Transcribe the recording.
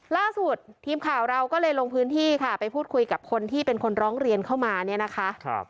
ล่าสุดทีมข่าวเราก็เลยลงพื้นที่ค่ะไปพูดคุยกับคนที่เป็นคนร้องเรียนเข้ามาเนี่ยนะคะ